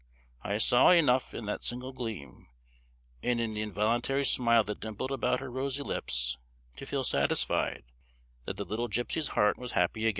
I saw enough in that single gleam, and in the involuntary smile that dimpled about her rosy lips, to feel satisfied that the little gipsy's heart was happy again.